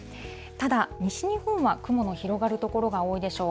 ただ、西日本は雲の広がる所が多いでしょう。